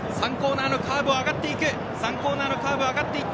３コーナーのカーブを上がっていく。